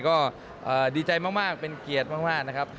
ก็ดีใจมากเป็นเกียรติมากนะครับ